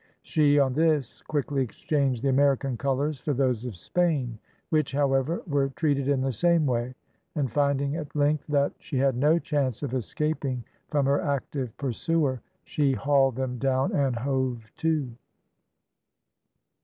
She, on this, quickly exchanged the American colours for those of Spain, which, however, were treated in the same way, and finding at length that she had no chance of escaping from her active pursuer, she hauled them down and hove to.